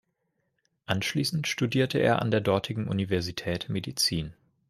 Anschließend studierte er an der dortigen Universität Medizin.